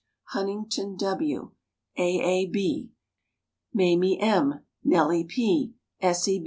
Huntington W., A. A. B., Mamie M., Nellie P.